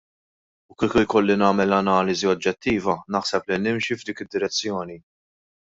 U kieku jkolli nagħmel analiżi oġġettiva naħseb li nimxi f'dik id-direzzjoni.